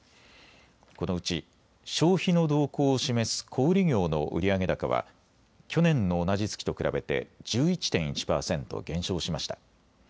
このうち消費の動向を示す小売業の売上高は去年の同じ月と比べて１１．１％減少しました。